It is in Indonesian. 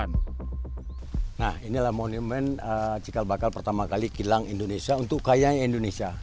nah inilah monumen cikal bakal pertama kali kilang indonesia untuk kayanya indonesia